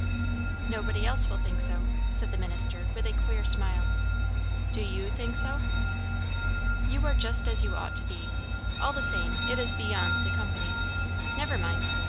"Nobody else will think so," said the minister with a queer smile. "Do you think so?" "You are just as you ought to be. All the same, it is beyond the company. Never mind.